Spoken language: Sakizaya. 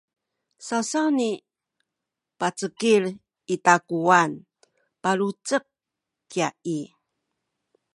sawsawni pacekil i takuwan palucek kya i